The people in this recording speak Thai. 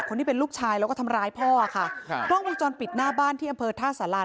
คนที่เป็นลูกชายแล้วก็ทำร้ายพ่อค่ะครับกล้องวงจรปิดหน้าบ้านที่อำเภอท่าสาราน